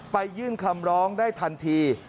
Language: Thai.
ยื่นคำร้องได้ทันที